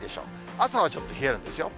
朝はちょっと冷えるんですよ。